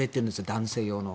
男性用の。